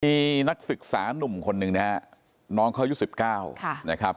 มีนักศึกษานุ่มคนหนึ่งนะฮะน้องเขาอายุ๑๙นะครับ